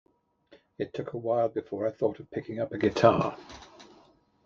It took a while before I thought of picking up a guitar.